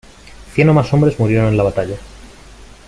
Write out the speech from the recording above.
Cien o más hombres murieron en la batalla.